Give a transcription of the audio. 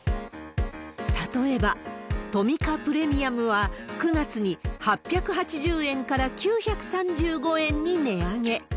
例えば、トミカプレミアムは、９月に８８０円から９３５円に値上げ。